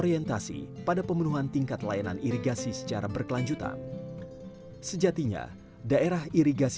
pertemuan mp organisasi dan malaysia